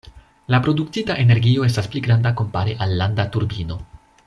La produktita energio estas pli granda kompare al landa turbino.